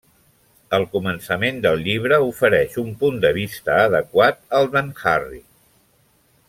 El començament del llibre ofereix un punt de vista adequat al d'en Harry.